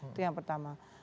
itu yang pertama